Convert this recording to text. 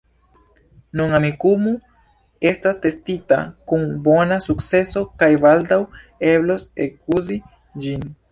Nun Amikumu estas testita kun bona sukceso kaj baldaŭ eblos ekuzi ĝin.